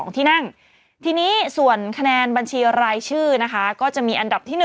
ที่นั่งทีนี้ส่วนคะแนนบัญชีรายชื่อนะคะก็จะมีอันดับที่๑